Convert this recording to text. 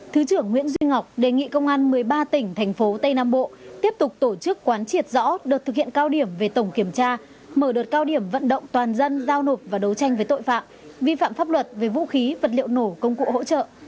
thứ trưởng nguyễn duy ngọc đề nghị công an một mươi ba tỉnh thành phố tây nam bộ tiếp tục tổ chức quán triệt rõ đợt thực hiện cao điểm về tổng kiểm tra mở đợt cao điểm vận động toàn dân giao nộp và đấu tranh với tội phạm vi phạm pháp luật về vũ khí vật liệu nổ công cụ hỗ trợ